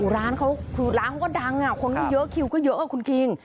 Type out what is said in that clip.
ร้านมันก็ดังคนมันเยอะคิวก็เยอะเขาคุณคลิง